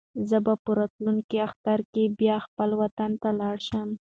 زه به په راتلونکي اختر کې بیا خپل وطن ته لاړ شم.